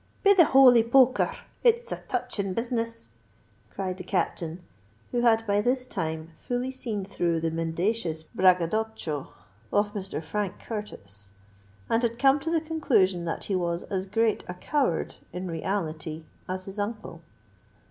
"Be the holy poker r! it's a touching business," cried the Captain, who had by this time fully seen through the mendacious braggadocio of Mr. Frank Curtis, and had come to the conclusion that he was as great a coward in reality as his uncle.